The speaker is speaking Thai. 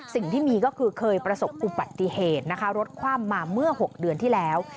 สิ่งที่มีก็คือเคยประสบอุบัติเหตุนะคะรถคว่ำมาเมื่อ๖เดือนที่แล้ว